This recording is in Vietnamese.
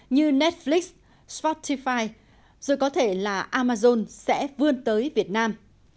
như netflix spottify rồi có thể là amazon sẽ vươn tới việt nam